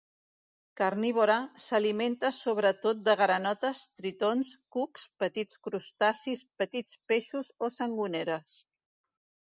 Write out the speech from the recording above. Carnívora, s'alimenta sobretot de granotes, tritons, cucs, petits crustacis, petits peixos o sangoneres.